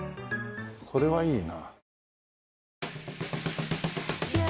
これはいいな。